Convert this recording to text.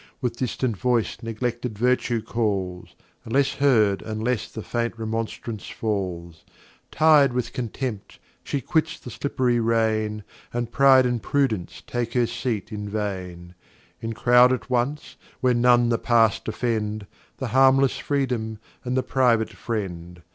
With distant Voice neglected Virtue calls, Less heard, and less the faint Remonstrance falls; Tir'd with Contempt, she quits the slipp'ry Reign, And Pride and Prudence take her Seat in vain. In croud at once, where none the Pass defend, The harmless Freedom, and the private Friend.